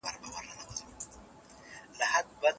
ما د هغې خوږ غږ په خپلو هیلو کې اورېدلی و.